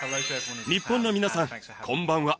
日本の皆さんこんばんは。